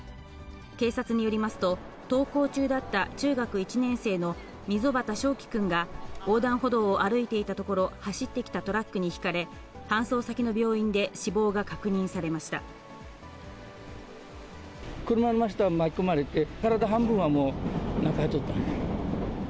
警察によりますと、登校中だった中学１年生の溝端星輝君が横断歩道を歩いていたところ、走ってきたトラックにひかれ、搬送先の病院で死亡が確認されま車の下に巻き込まれて、体半分はもう、中入っとった。